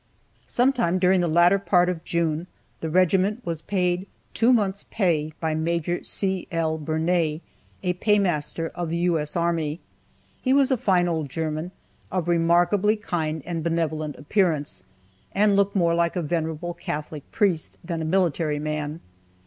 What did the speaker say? Sometime during the latter part of June the regiment was paid two months' pay by Major C. L. Bernay, a Paymaster of the U.S. Army. He was a fine old German, of remarkably kind and benevolent appearance, and looked more like a venerable Catholic priest than a military man.